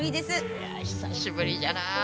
いや久しぶりじゃな。